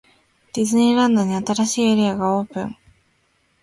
ディズニーランドに、新しいエリアがオープン!!